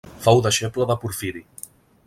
Fou deixeble de Porfiri.